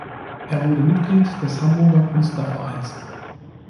Er wurde Mitglied des Hamburger Künstlervereins.